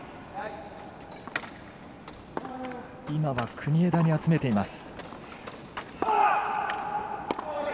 国枝に集めています。